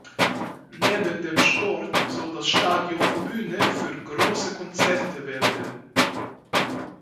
Neben dem Sport soll das Stadion Bühne für große Konzerte werden.